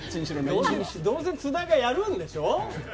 どうせ津田がやるんでしょ？